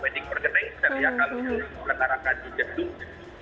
wedding pernikah kalau itu diketarakan di gedung